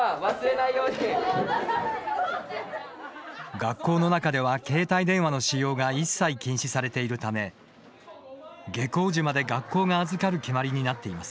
学校の中では携帯電話の使用が一切禁止されているため下校時まで学校が預かる決まりになっています。